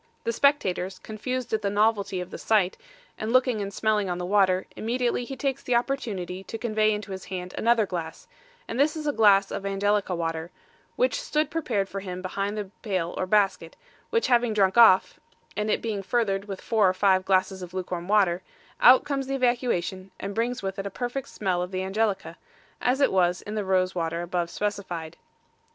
The spectators, confused at the novelty of the sight, and looking and smelling on the water, immediately he takes the opportunity to convey into his hand another glass; and this is a glass of Angelica water, which stood prepared for him behind the pail or basket, which having drunk off, and it being furthered with four or five glasses of luke warm water, out comes the evacuation, and brings with it a perfect smell of the Angelica, as it was in the rose water above specified.